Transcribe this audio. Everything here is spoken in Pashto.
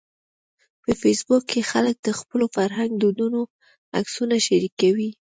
په فېسبوک کې خلک د خپلو فرهنګي دودونو عکسونه شریکوي